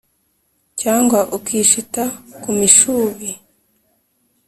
cyangwa ukishita ku mishubi